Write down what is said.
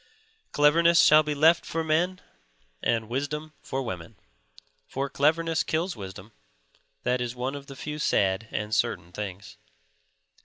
Cleverness shall be left for men and wisdom for women. For cleverness kills wisdom; that is one of the few sad and certain things.